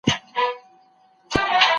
ما چي توبه وکړه اوس ناځوانه راته و ویل